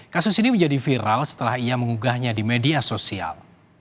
kasus ini menjadi viral setelah ia mengunggahnya di media sosial